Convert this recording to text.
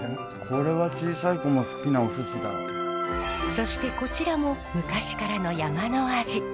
そしてこちらも昔からの山の味。